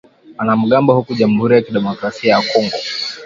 wanamgambo huko jamhuri ya kidemokrasia ya Kongo